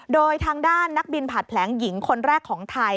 โดยทางด้านนักบินผัดแผลงหญิงคนแรกของไทย